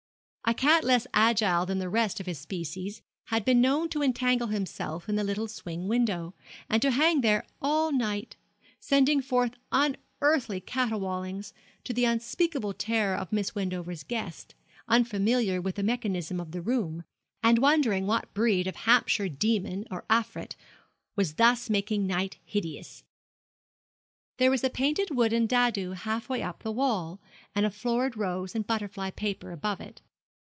A cat less agile than the rest of his species had been known to entangle himself in the little swing window, and to hang there all the night, sending forth unearthly caterwaulings, to the unspeakable terror of Miss Wendover's guest, unfamiliar with the mechanism of the room, and wondering what breed of Hampshire demon or afrit was thus making night hideous. There was a painted wooden dado halfway up the wall, and a florid rose and butterfly paper above it.